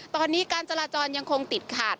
ตอนนี้การจราจรยังคงติดขาด